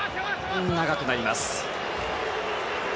長くなりました。